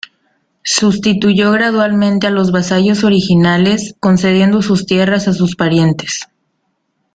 Sustituyó gradualmente a los vasallos originales, concediendo sus tierras a sus parientes.